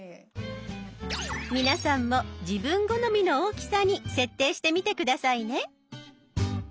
皆さんも自分好みの大きさに設定してみて下さいね。